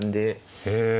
へえ。